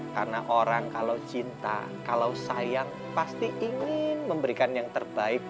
karena orang kalau cinta kalau sayang pasti ingin memberikan yang terbaik